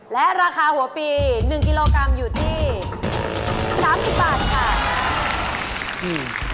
และราคาหัวปี๑กิโลกรัมอยู่ที่๓๐บาทค่ะ